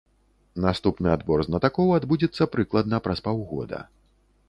Наступны адбор знатакоў адбудзецца прыкладна праз паўгода.